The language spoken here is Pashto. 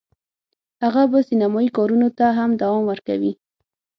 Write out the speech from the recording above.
هغه به سینمایي کارونو ته هم دوام ورکوي